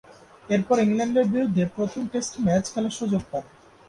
এরপর ইংল্যান্ডের বিরুদ্ধে প্রথম টেস্ট ম্যাচ খেলার সুযোগ পান।